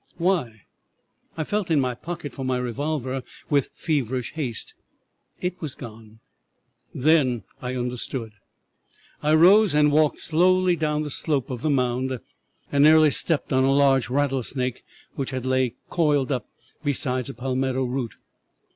Why? I felt in my pocket for my revolver with feverish haste. Gone. Then I understood! "'I rose and walked slowly down the slope of the mound, and nearly stepped on a large rattlesnake which lay coiled up beside a palmetto root.